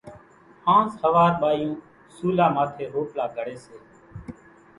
هانز ۿوار ٻايوُن سُولا ماٿيَ روٽلا گھڙيَ سي۔